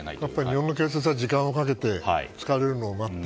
日本の警察は時間をかけて疲れるのを待って。